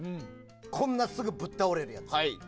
こんな、すぐぶっ倒れるやつ。